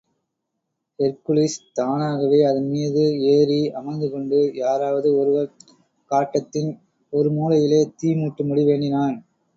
Hercules தானாகவே அதன்மீது ஏறி அமர்ந்துகொண்டு, யாராவது ஒருவர் காட்டத்தின் ஒரு மூலையிலே தீ முட்டும்படி வேண்டினான்.